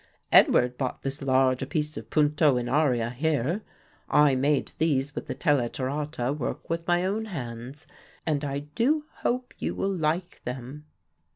Edward bought this larger piece of punto in aria here. I made these with the tela tirata work with my own hands and I do hope you will like them."